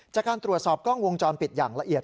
จากการตรวจสอบกล้องวงจรปิดอย่างละเอียด